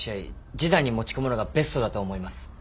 示談に持ち込むのがベストだと思います。